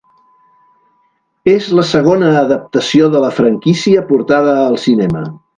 És la segona adaptació de la franquícia portada al cinema.